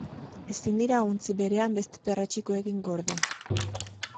Ezin dira ontzi berean beste perretxikoekin gorde.